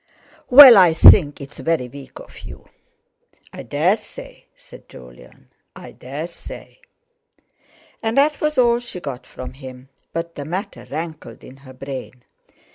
"Well, I think it's very weak of you." "I dare say," said Jolyon, "I dare say." And that was all she got from him; but the matter rankled in her brain.